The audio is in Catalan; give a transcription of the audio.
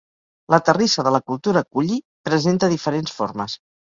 La terrissa de la cultura kulli presenta diferents formes.